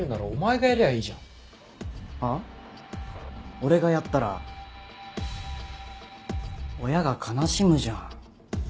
俺がやったら親が悲しむじゃん。